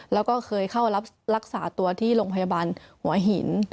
แล้วก็เคยเข้ารับรักษาตัวที่โรงพยาบาลหัวหิน